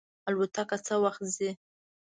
الوتکه څه وخت ځي؟